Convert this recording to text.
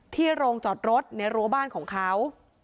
โรงจอดรถในรั้วบ้านของเขา